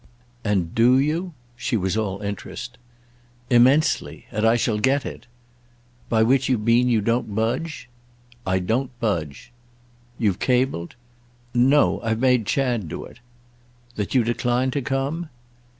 "And do you?"—she was all interest. "Immensely. And I shall get it." "By which you mean you don't budge?" "I don't budge." "You've cabled?" "No—I've made Chad do it." "That you decline to come?"